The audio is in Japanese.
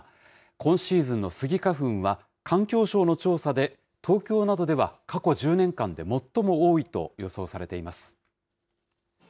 今シーズンのスギ花粉は、環境省の調査で、東京などでは過去１０年間で最も多いと予想されています。